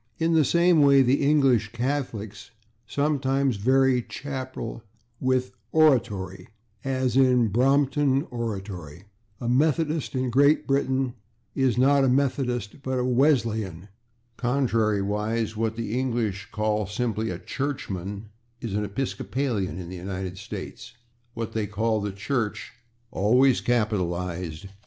In the same way the English Catholics sometimes vary /chapel/ with /oratory/, as in /Brompton Oratory/. A Methodist, in Great [Pg113] Britain, is not a /Methodist/, but a /Wesleyan/. Contrariwise, what the English call simply a /churchman/ is an /Episcopalian/ in the United States, what they call the /Church/ (always capitalized!)